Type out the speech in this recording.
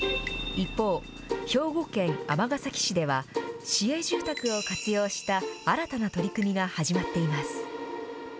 一方、兵庫県尼崎市では、市営住宅を活用した新たな取り組みが始まっています。